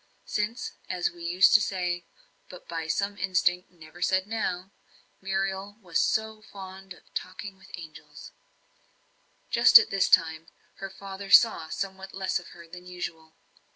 Since, as we used to say but by some instinct never said now Muriel was so fond of "talking with the angels." Just at this time, her father saw somewhat less of her than usual.